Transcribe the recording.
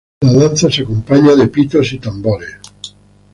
La danza se acompaña de pitos y tambores.